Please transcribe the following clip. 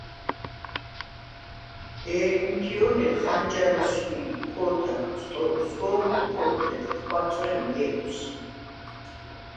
ერ ემქიო̄ლე, ხანჯარ ოსხვი̄ჲ, ქო̄თაქვც ტოტ, სგო̄ნჴუ ქორთე, ქა ხვაწვე̄ნ ჲეხვს.